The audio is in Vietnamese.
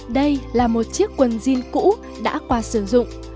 đây là một chiếc quần jean cũ đã qua sử dụng